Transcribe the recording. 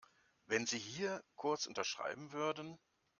Wenn Sie hier kurz unterschreiben würden.